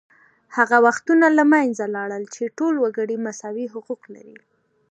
هغه وختونه له منځه لاړل چې ټول وګړي مساوي حقوق لري